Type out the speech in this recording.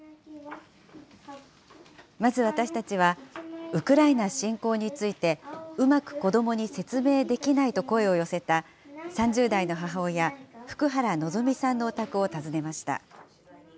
まず私たちは、ウクライナ侵攻について、うまく子どもに説明できないと声を寄せた、３０代の母親、福原望さんのお宅を訪ねました。